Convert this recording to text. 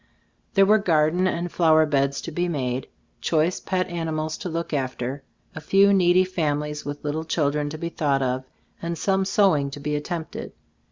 There were garden and flower beds to be made, choice pet animals to look af ter, a few needy families with little children to be thought of, and some sewing to be attempted.